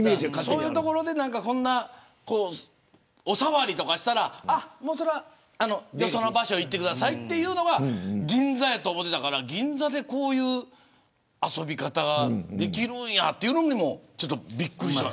そういう所でお触りとかしたらよその場所行ってくださいというのが銀座やと思っていたから銀座でこういう遊び方できるんやっていうのにもちょっとびっくりした。